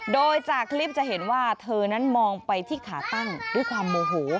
โดยจากคลิปจะเห็นว่าเธอนั้นมองไปที่ขาตั้งด้วยความโมโห